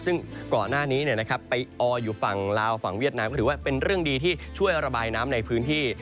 ซึ่งก่อนหน้านี้ไปอออยู่ฝั่งลาวฝั่งเวียดนามก็ถือว่าเป็นเรื่องดีที่ช่วยระบายน้ำในพื้นที่